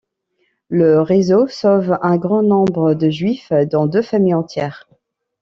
Le réseau sauve un grand nombre de Juifs, dont deux familles entières.